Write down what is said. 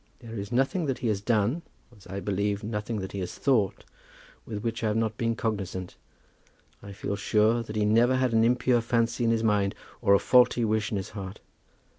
There is nothing that he has done, as I believe, nothing that he has thought, with which I have not been cognizant. I feel sure that he never had an impure fancy in his mind, or a faulty wish in his heart.